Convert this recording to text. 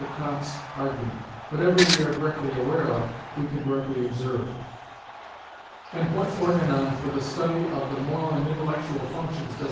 Comte's argument. Whatever we are directly aware of, we can directly observe. And what Organon for the study of "the moral and intellectual functions" does M.